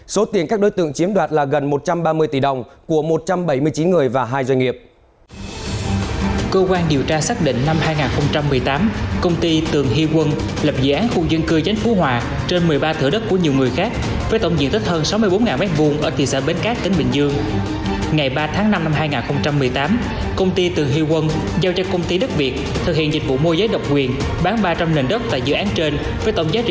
số tiền các đối tượng chiếm đoạt là gần một trăm ba mươi tỷ đồng của một trăm bảy mươi chín người và hai doanh nghiệp